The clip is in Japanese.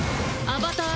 「アバター！」